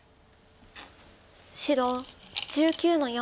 白１９の四。